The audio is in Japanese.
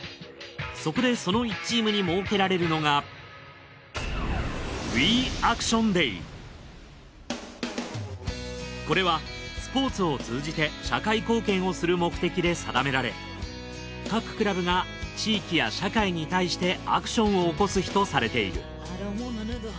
そこでその１チームに設けられるのがこれはスポーツを通じて社会貢献をする目的で定められ各クラブが地域や社会に対してアクションを起こす日とされている。